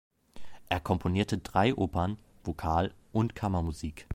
Er komponierte drei Opern, Vokal- und Kammermusik.